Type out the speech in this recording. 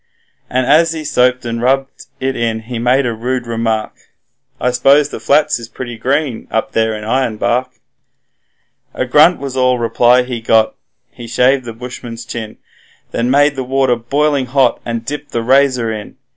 And as he soaped and rubbed it in he made a rude remark: 'I s'pose the flats is pretty green up there in Ironbark.' A grunt was all reply he got; he shaved the bushman's chin, Then made the water boiling hot and dipped the razor in.